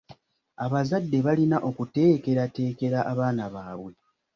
Abazadde balina okuteekerateekera abaana baabwe.